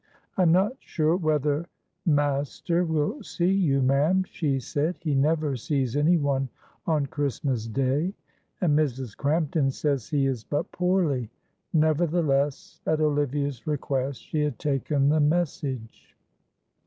"I am not sure whether master will see you, ma'am," she said. "He never sees anyone on Christmas Day; and Mrs. Crampton says he is but poorly;" nevertheless, at Olivia's request, she had taken the message.